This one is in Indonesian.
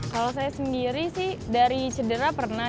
kalau saya sendiri sih dari cedera pernah